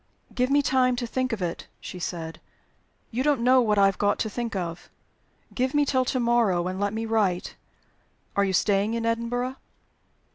"Give me time to think of it," she said. "You don't know what I have got to think of. Give me till to morrow; and let me write. Are you staying in Edinburgh?"